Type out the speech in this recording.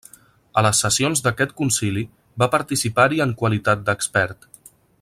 A les sessions d'aquest concili va participar-hi en qualitat d'expert.